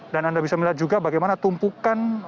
dan anda bisa melihat juga bagaimana tumpukan